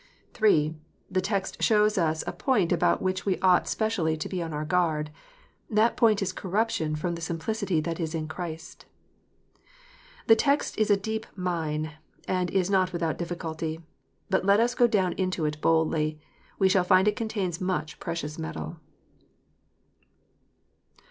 III. Thirdly, the text shows us a point about which we ought specially to be on our guard. That point is corruption " from the simplicity that is in Christ." The text is a deep mine, and is not without difficulty. But let us go down into it boldly, and we shall find it contains much precious metal.